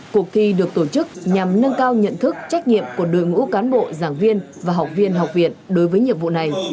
cuộc thi được tổ chức nhằm nâng cao nhận thức trách nhiệm của đội ngũ cán bộ giảng viên và học viên học viện đối với nhiệm vụ này